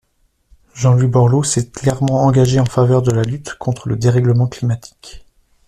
Jean-Louis Borloo s'est clairement engagé en faveur de la lutte contre le dérèglement climatique.